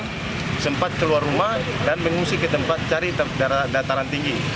saya sempat keluar rumah dan mengungsi ke tempat cari dataran tinggi